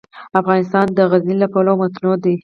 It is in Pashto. افغانستان د غزني له پلوه متنوع دی.